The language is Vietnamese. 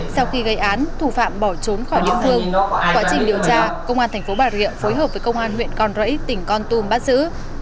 sau khi gây án thủ phạm bỏ trốn khỏi địa phương quá trình điều tra công an thành phố bà rịa phối hợp với công an huyện con rẫy tỉnh con tum bắt giữ